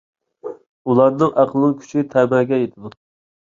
ئۇلارنىڭ ئەقلىنىڭ كۈچى تەمەگە يېتىدۇ.